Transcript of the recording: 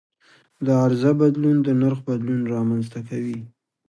د عرضه بدلون د نرخ بدلون رامنځته کوي.